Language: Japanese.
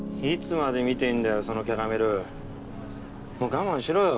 我慢しろよ